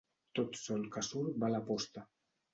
Tot sol que surt va a la posta.